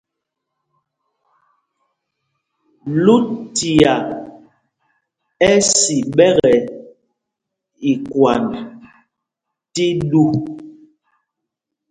Lucia ɛ́ si ɓɛkɛ ikwand tí ɗû.